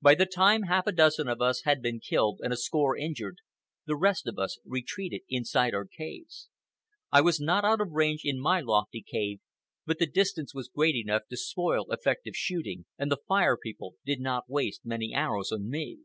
By the time half a dozen of us had been killed and a score injured, the rest of us retreated inside our caves. I was not out of range in my lofty cave, but the distance was great enough to spoil effective shooting, and the Fire People did not waste many arrows on me.